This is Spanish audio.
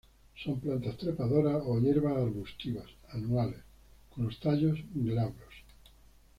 Son plantas trepadoras o hierbas arbustivas, anuales; con los tallos glabros.